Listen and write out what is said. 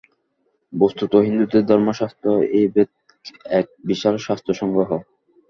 বস্তুত হিন্দুদের ধর্মশাস্ত্র এই বেদ এক বিশাল শাস্ত্র-সংগ্রহ।